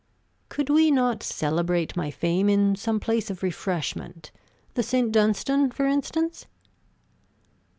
"Could we not celebrate my fame in some place of refreshment the St. Dunstan, for instance?"